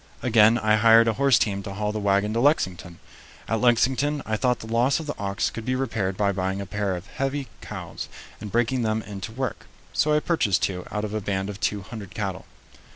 Again I hired a horse team to haul the wagon to Lexington. At Lexington I thought the loss of the ox could be repaired by buying a pair of heavy cows and breaking them in to work, so I purchased two out of a band of two hundred cattle.